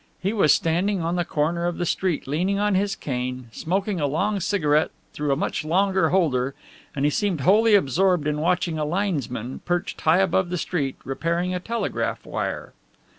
He was standing on the corner of the street, leaning on his cane, smoking a long cigarette through a much longer holder, and he seemed wholly absorbed in watching a linesman, perched high above the street, repairing a telegraph wire.